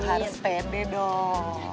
kamu harus pede dong